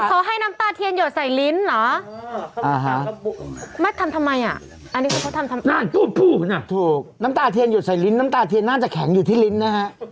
เขาให้น้ำตาเทียนหยกใส่ลิ้นหรอก็ทำทำไมอ่ะน้ำตาเทียนหยกใส่ลิ้น